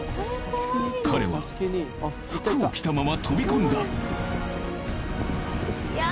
彼は服を着たまま飛び込んだいや